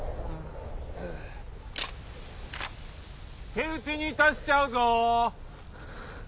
手討ちに致しちゃうぞ。